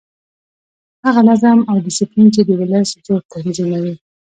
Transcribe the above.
هغه نظم او ډسپلین چې د ولس زور تنظیموي.